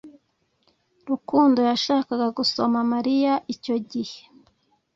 Rukundo yashakaga gusoma Mariya icyo gihe.